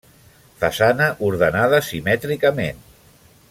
Façana ordenada simètricament.